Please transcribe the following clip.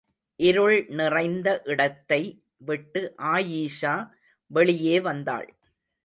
இருள் நிறைந்த இடத்தை விட்டு ஆயீஷா வெளியே வந்தாள்.